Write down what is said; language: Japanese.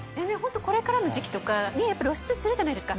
これからの時期とか露出するじゃないですか。